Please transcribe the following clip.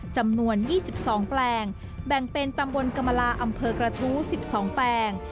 จำนวน๒๒แปลงแบ่งเป็นตำบลกรรมลาอำเภอกระทู้๑๒แปลง